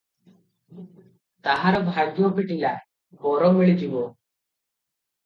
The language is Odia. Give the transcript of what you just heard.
ତାହାର ଭାଗ୍ୟ ଫିଟିଲା, ବର ମିଳିଯିବ ।